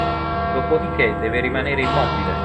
Dopodichè deve rimanere immobile.